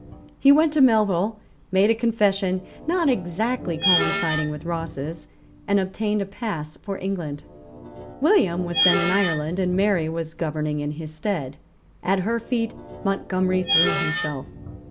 He went to Melville, made a confession not exactly coinciding with Ross's, and obtained a pass for England. William was then in Ireland; and Mary was governing in his stead. At her feet Montgomery threw himself.